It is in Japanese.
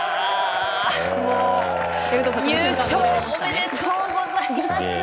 優勝おめでとうございます！